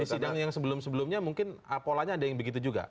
di sidang yang sebelum sebelumnya mungkin polanya ada yang begitu juga